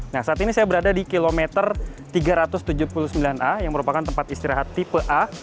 nah saat ini saya berada di kilometer tiga ratus tujuh puluh sembilan a yang merupakan tempat istirahat tipe a